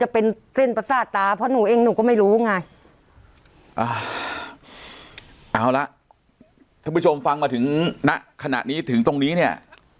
เป็นประสาทตาเพราะหนูเองหนูก็ไม่รู้ไงเอาละท่านผู้ชมฟังมาถึงขนาดนี้ถึงตรงนี้เนี่ย